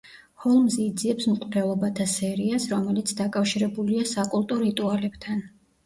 ჰოლმზი იძიებს მკვლელობათა სერიას, რომელიც დაკავშირებულია საკულტო რიტუალებთან.